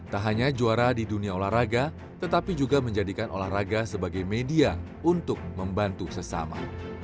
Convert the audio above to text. tak hanya juara di dunia olahraga tetapi juga menjadikan olahraga sebagai media untuk membantu sesama